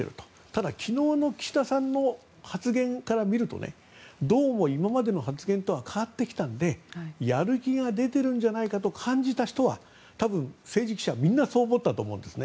ただ昨日の岸田さんの発言から見るとどうも今までの発言とは変わってきたのでやる気が出てるんじゃないかと感じた人は多分、政治記者みんなそう思ったと思います。